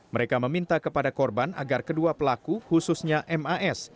mereka meminta kepada korban agar kedua pelaku khususnya mas